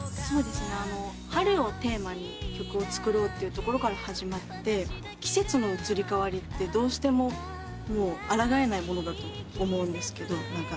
春をテーマに曲を作ろうってところから始まって季節の移り変わりってどうしてもあらがえないものだと思うんですけど。